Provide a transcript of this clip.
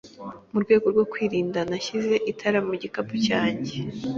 Mu rwego rwo kwirinda, nashyize itara mu gikapu cyanjye.